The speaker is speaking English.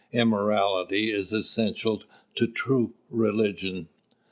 Immortality is essential to true religion.